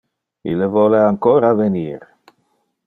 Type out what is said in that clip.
Ille vole ancora venir.